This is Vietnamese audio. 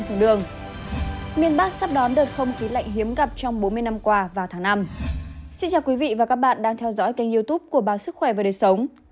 xin chào quý vị và các bạn đang theo dõi kênh youtube của báo sức khỏe và đời sống